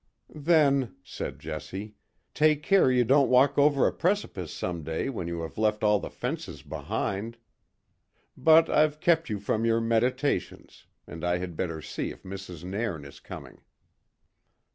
"Then," said Jessie, "take care you don't walk over a precipice some day when you have left all the fences behind. But I've kept you from your meditations, and I had better see if Mrs. Nairn is coming."